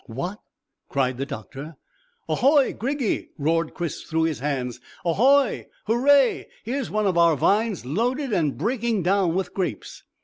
"What!" cried the doctor. "Ahoy! Griggy!" roared Chris through his hands. "Ahoy! Hooray! Here's one of our vines loaded and breaking down with grapes."